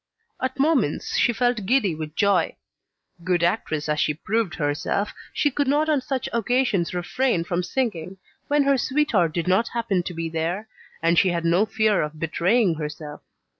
At moments, she felt giddy with joy; good actress as she proved herself, she could not on such occasions refrain from singing, when her sweetheart did not happen to be there, and she had no fear of betraying herself.